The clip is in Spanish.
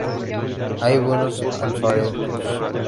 Hay buenos alfareros.